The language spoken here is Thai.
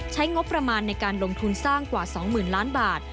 ใช้งบประมาณในการลงทุนสร้างกว่า๒๐๐๐ล้านบาท